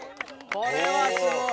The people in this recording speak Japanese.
これはすごい！